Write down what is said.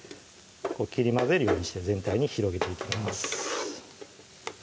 切り混ぜるようにして全体に広げていきます